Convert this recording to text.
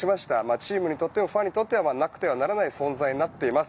チームにとってもファンにとってもなくてはならない存在になっています。